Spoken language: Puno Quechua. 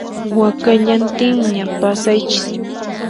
Wakallantinña pasaychis